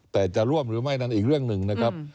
แต่จะร่วมหรือไม่นั้นอีกเรื่องหนึ่งนะครับ